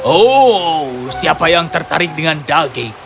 oh siapa yang tertarik dengan daging